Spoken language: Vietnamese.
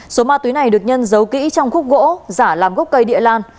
số ma túy này được nhân giấu kỹ trong khúc gỗ giả làm gốc cây địa lan